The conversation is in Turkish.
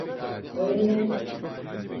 Öğrenelim.